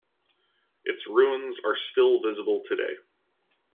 Its ruins are still visible today.